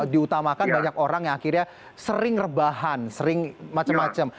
diutamakan banyak orang yang akhirnya sering rebahan sering macam macam